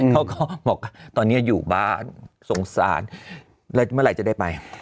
เขาก็บอกตอนนี้อยู่บ้านสงสารแล้วเมื่อไหร่จะได้ไป